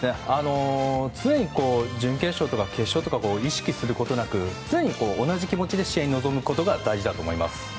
常に準決勝とか決勝とか意識することなく同じ気持ちで試合に臨むことが大事だと思います。